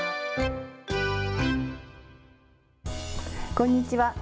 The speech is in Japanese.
こんにちは。